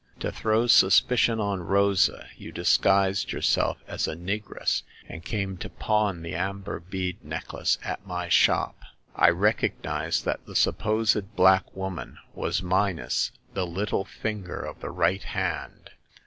To throw suspicion on Rosa you dis guised yourself as a negress, and came to pawn the amber bead necklace at my shop. I recog nized that the supposed black woman was minus the little finger of the right hand.